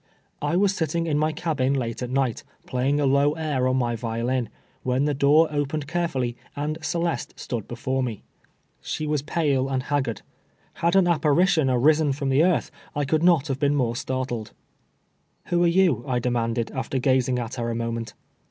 I was sitting in my cabin late at night, playing a low air on my violin, when the door oj^ened carefully, and Celeste stood before me. She was pale and haggard. STORY OF CELESTE. 245 Had an apparition arisen from tlie earth, I could, not have been more startled. " "Who are yon ?" I demanded, after gazing at her a moment.